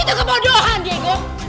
itu kebodohan diego